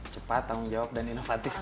cepat tanggung jawab dan inovatif